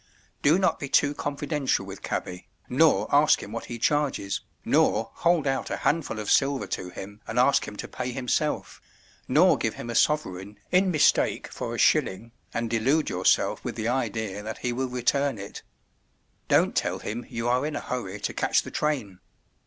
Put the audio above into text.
Do not be too confidential with cabby, nor ask him what he charges, nor hold out a handful of silver to him and ask him to pay himself, nor give him a sovereign in mistake for a shilling, and delude yourself with the idea that he will return it. Don't tell him you are in a hurry to catch the train.